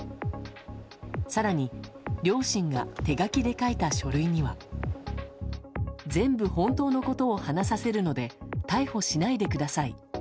更に、両親が手書きで書いた書類には全部本当のことを話させるので逮捕しないでください。